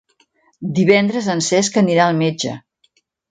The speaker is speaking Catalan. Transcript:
Divendres en Cesc anirà al metge.